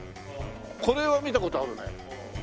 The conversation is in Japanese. これは見た事あるね。